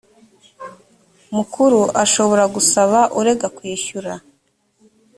mukuru ashobora gusaba urega kwishyura